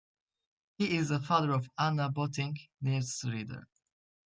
He is the father of Anna Botting, newsreader.